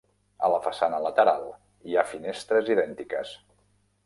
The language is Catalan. A la façana lateral hi ha finestres idèntiques.